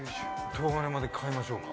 東金まで買いましょうか。